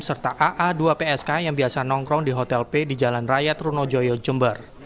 serta aa dua psk yang biasa nongkrong di hotel p di jalan raya trunojoyo jember